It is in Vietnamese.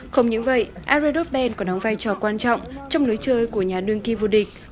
không những vậy aaron robben có đóng vai trò quan trọng trong lối chơi của nhà đương kỳ vua địch